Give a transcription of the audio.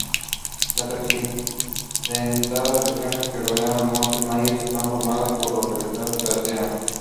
Las accidentadas regiones que rodean los Montes Maya están formadas por calizas del Cretáceo.